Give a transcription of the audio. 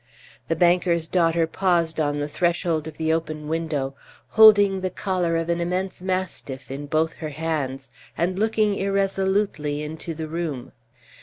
The banker's daughter paused on the threshold of the open window, holding the collar of an immense mastiff in both her hands, and looking irresolutely into the room.